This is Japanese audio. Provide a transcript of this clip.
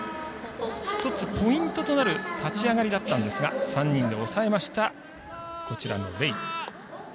１つポイントとなる立ち上がりだったんですが３人で抑えましたレイ。